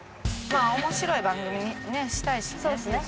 まあ面白い番組にねしたいしね。